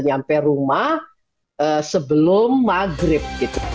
nyampe rumah sebelum maghrib gitu